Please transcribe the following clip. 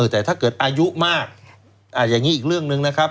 แต่ถ้าเกิดอายุมากอย่างนี้อีกเรื่องหนึ่งนะครับ